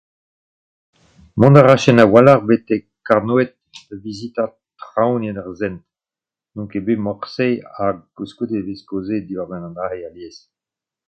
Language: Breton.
Mont a rafen a-walc'h betek Karnoed da vizitañ Traoñienn ar Sent. N'on ket bet morse ha koulskoude e vez kaozeet diwar-benn an dra-se alies.